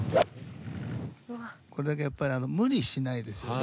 これだけやっぱり無理しないですよね。